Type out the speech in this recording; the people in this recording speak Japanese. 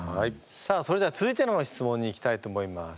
さあそれでは続いての質問にいきたいと思います。